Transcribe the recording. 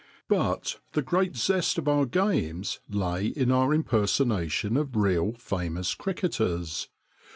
But the great zest of our games lay in our im personation of real famous cricketers.